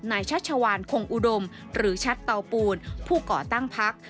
ชัชวานคงอุดมหรือชัดเตาปูนผู้ก่อตั้งพัก